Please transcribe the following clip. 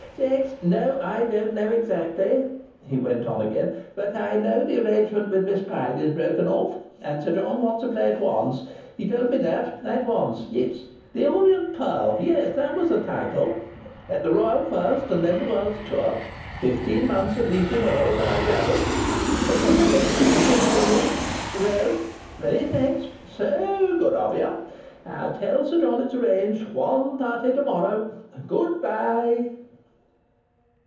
"Thanks. No, I don't know exactly," he went on again. "But I know the arrangement with Miss Pryde is broken off. And Sir John wants a play at once. He told me that! At once! Yes. 'The Orient Pearl.' That was the title. At the Royal first, and then the world's tour. Fifteen months at least in all, so I gathered. Of course I don't speak officially. Well, many thanks. Saoo good of you. I'll tell Sir John it's arranged. One thirty to morrow. Good bye!"